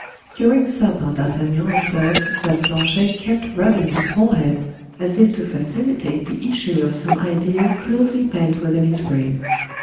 During supper D'Artagnan observed that Planchet kept rubbing his forehead, as if to facilitate the issue of some idea closely pent within his brain.